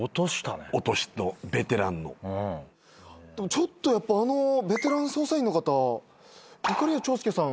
ちょっとやっぱあのベテラン捜査員の方いかりや長介さん